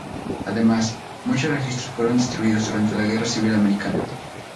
Además, muchos registros fueron destruidos durante la Guerra Civil Americana.